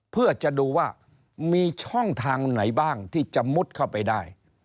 เพื่อจะดูว่ามีช่องทางไหนบ้างที่จะมุดเข้าไปได้